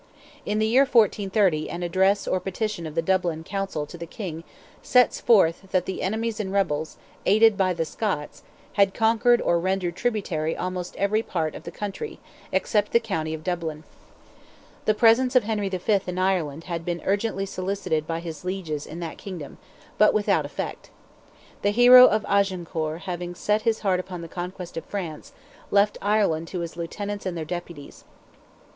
In the year 1430 an address or petition of the Dublin Council to the King sets forth "that the enemies and rebels, aided by the Scots, had conquered or rendered tributary almost every part of the country, except the county of Dublin." The presence of Henry V. in Ireland had been urgently solicited by his lieges in that kingdom, but without effect. The hero of Agincourt having set his heart upon the conquest of France, left Ireland to his lieutenants and their deputies.